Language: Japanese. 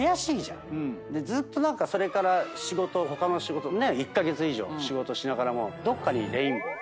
ずーっと何かそれから他の仕事１カ月以上仕事しながらもどっかにレインボー。